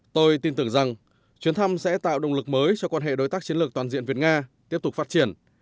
tôi tin tưởng rằng chuyến thăm sẽ tạo động lực mới cho quan hệ đối tác chiến lược toàn diện việt nga tiếp tục phát triển